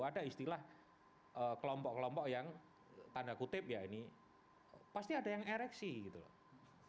ada istilah kelompok kelompok yang tanda kutip ya ini pasti ada yang ereksi gitu loh